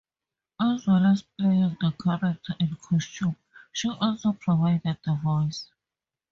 As well as playing the character in costume, she also provided the voice.